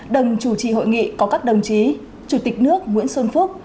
đồng chủ trì hội nghị có các đồng chí chủ tịch nước nguyễn xuân phúc